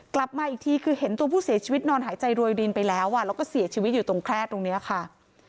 กลับมาอีกทีคือเห็นตัวผู้เสียชีวิตนอนหายใจรวยดินไปแล้วแล้วก็เสียชีวิตอยู่ตรงแคร่ตรงนี้ค่ะ